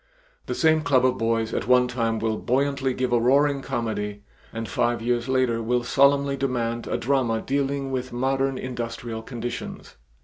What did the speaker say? The same club of boys at one time will buoyantly give a roaring comedy and five years later will solemnly demand a drama dealing with modern industrial conditions.